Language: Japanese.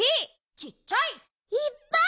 ちっちゃい！いっぱい！